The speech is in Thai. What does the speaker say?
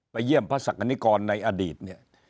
เยี่ยมพระศักดิกรในอดีตเนี่ย